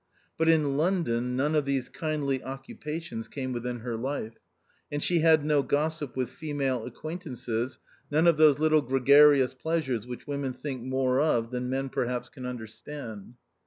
But in London none of these kindly occupations came within her life ; and she had no gossip with female acquaintances, none of those little gregarious pleasures which women think more of than men per haps can understand.